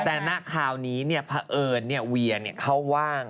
แต่หน้าคราวนี้เนี่ยพอเอิญเนี่ยเวียเนี่ยเค้าว่าง